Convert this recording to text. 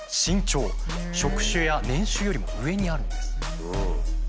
「職種」や「年収」よりも上にあるんです。